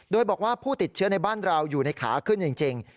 โดยบอกว่าผู้ติดเชื้อในบ้านเราอยู่ในขาขึ้นจริง